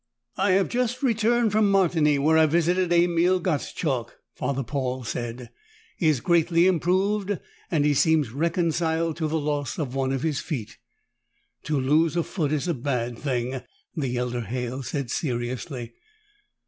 "I have just returned from Martigny, where I visited Emil Gottschalk," Father Paul said. "He is greatly improved, and he seems reconciled to the loss of one of his feet." "To lose a foot is a bad thing," the elder Halle said seriously.